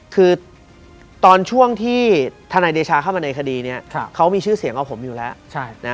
คือตอนช่วงที่ทนายเดชาเข้ามาในคดีนี้เขามีชื่อเสียงเอาผมอยู่แล้ว